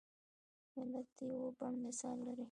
ملت د یوه بڼ مثال لري.